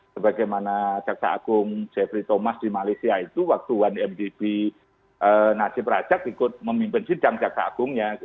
sebagaimana caksa agung jeffrey thomas di malaysia itu waktu satu mdb nasib rajak ikut memimpin sidang jaksa agungnya